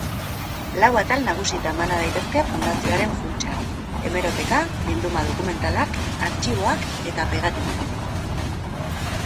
Lau atal nagusitan bana daitezke fundazioaren funtsak: hemeroteka, bilduma dokumentalak, artxiboak eta pegatinak.